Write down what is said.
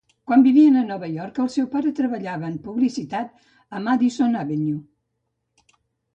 Quan vivien a Nova York, el seu pare treballava en publicitat a Madison Avenue.